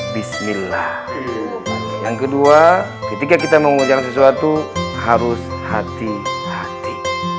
bismillah yang kedua ketika kita mengucapkan sesuatu harus hati hati